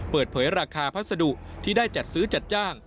เปิดเผยราคาพัสดุที่ได้จัดซื้อจัดจ้าง